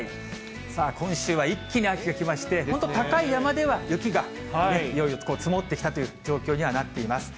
今週は一気に秋が来まして、本当に高い山では雪がいよいよ積もってきたという状況にはなっています。